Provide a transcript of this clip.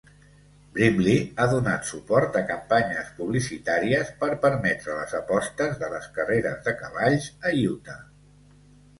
Brimley ha donat suport a campanyes publicitàries per permetre les apostes de les carreres de cavalls a Utah.